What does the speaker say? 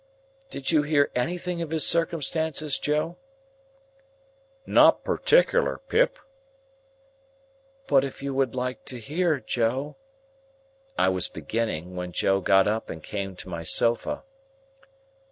"Did you hear anything of his circumstances, Joe?" "Not partickler, Pip." "If you would like to hear, Joe—" I was beginning, when Joe got up and came to my sofa.